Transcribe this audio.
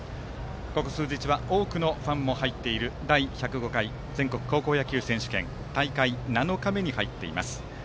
ここ数日は多くのファンも入っている第１０５回全国高等学校野球選手権大会大会７日目に入っています。